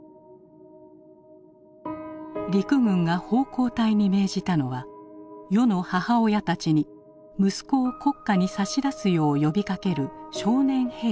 陸軍が奉公隊に命じたのは世の母親たちに息子を国家に差し出すよう呼びかける「少年兵展」。